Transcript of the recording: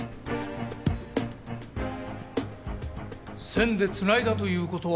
線でつないだという事は？